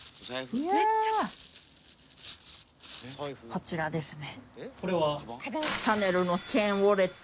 こちらですね。